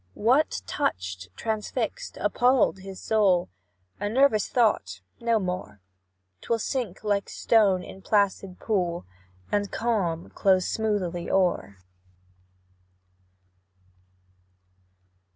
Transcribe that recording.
What touched, transfixed, appalled, his soul? A nervous thought, no more; 'Twill sink like stone in placid pool, And calm close smoothly o'er. II. THE PARLOUR.